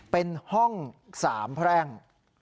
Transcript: เป็นห้อง๓แพร่ง